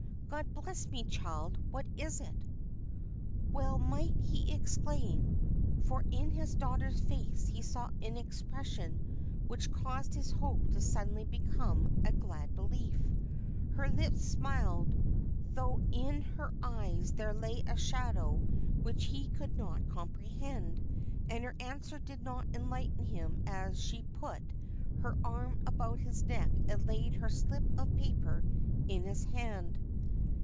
God bless me, child! what is it?" Well might he exclaim, for in his daughter's face he saw an expression which caused his hope to suddenly become a glad belief. Her lips smiled, though in her eyes there lay a shadow which he could not comprehend, and her answer did not enlighten him as she put her arm about his neck and laid her slip of paper in his hand.